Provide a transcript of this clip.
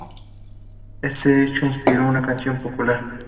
Éste hecho inspiró una canción popular.